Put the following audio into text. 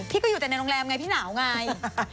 พี่ก็อยู่แต่ในโรงแรมไงพี่หนาวไง